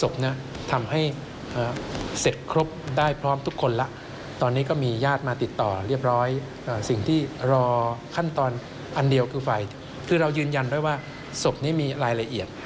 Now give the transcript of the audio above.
เพราะไม่อย่างนั้นแล้วเนี่ย